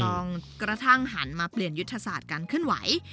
กระทั่งหันมาเปลี่ยนยุทธศาสตร์การเคลื่อนไหว